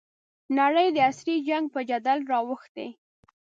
نړۍ د عصري جنګ په جدل رااوښتې.